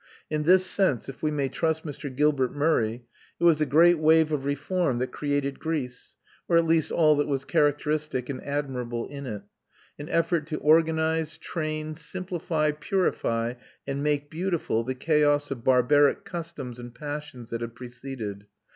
In this sense, if we may trust Mr. Gilbert Murray, it was a great wave of reform that created Greece, or at least all that was characteristic and admirable in it an effort to organise, train, simplify, purify, and make beautiful the chaos of barbaric customs and passions that had preceded.